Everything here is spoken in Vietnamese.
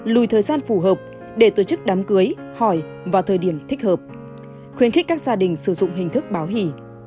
lùi thời gian phù hợp để tổ chức đám cưới hỏi vào thời điểm thích hợp khuyến khích các gia đình sử dụng hình thức báo hỉ